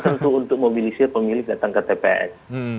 itu sangat tertentu untuk memobilisir pemilik datang ke tps